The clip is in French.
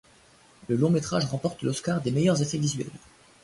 Le long métrage remporte l'Oscar des meilleurs effets visuels.